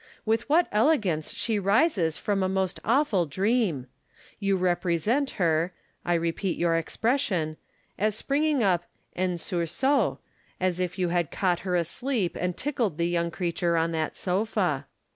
With what elegance slie rises from a most awful dream ! You represent her (I repeat your expression) as springing up en sursaut, as if you had caught her asleep and tickled the young creature on that sofa.